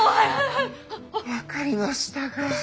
分かりましたか。